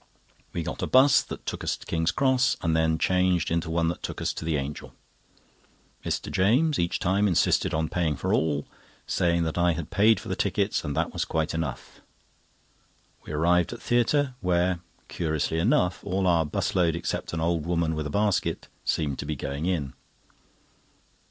We got a 'bus that took us to King's Cross, and then changed into one that took us to the "Angel." Mr. James each time insisted on paying for all, saying that I had paid for the tickets and that was quite enough. We arrived at theatre, where, curiously enough, all our 'bus load except an old woman with a basket seemed to be going in.